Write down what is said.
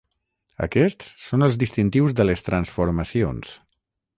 Aquests són els distintius de les transformacions.